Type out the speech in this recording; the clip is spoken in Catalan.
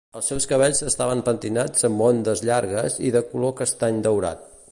El seus cabells estaven pentinats amb ondes llargues i de color castany-daurat.